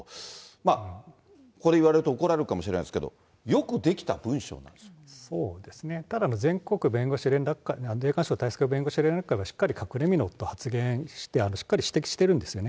まあ、これ言われると怒られるかもしれませんけど、よく出来た文章なんそうですね、ただ、全国弁護士連合会で、全国弁護士連絡会は、しっかり隠れみのと発言して、しっかり指摘してるんですよね。